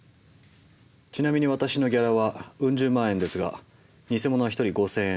ちなみに私のギャラはウン十万円ですがニセモノは一人５，０００円。